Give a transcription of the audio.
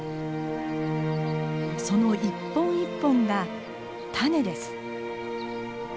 その１本１本が種です。